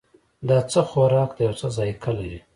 دا څه خوراک ده او څه ذائقه لري